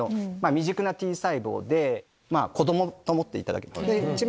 未熟なＴ細胞で子供と思っていただければ。